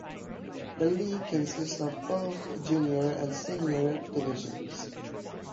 The league consists of both junior and senior divisions.